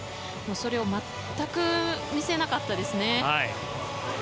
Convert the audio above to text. それを全く見せなかったですね。